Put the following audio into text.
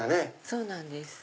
そうなんです。